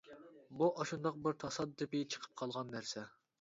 بۇ ئاشۇنداق بىر تاسادىپىي چىقىپ قالغان نەرسە.